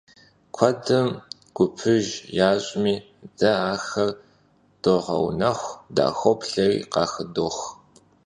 Kuedım gupıjj yaş'mi, de axer doğeunexu, daxoplheri, khaxıdox.